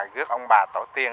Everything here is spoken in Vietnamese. gước ông bà tổ tiên